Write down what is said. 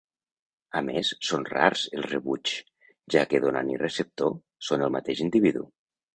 A més són rars els rebuigs, ja que donant i receptor són el mateix individu.